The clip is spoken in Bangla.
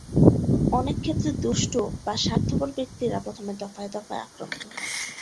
অনেক ক্ষেত্রে, "দুষ্ট" বা "স্বার্থপর" ব্যক্তিরা প্রথমে দফায় দফায় আক্রান্ত হন।